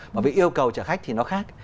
bởi vì yêu cầu chở khách thì nó khác